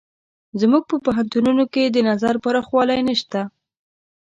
زموږ په پوهنتونونو کې د نظر پراخوالی نشته.